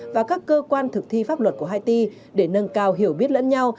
và các cơ quan thực thi pháp luật của haiti để nâng cao hiểu biết lẫn nhau